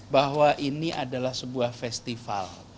bahwa ini adalah sebuah festival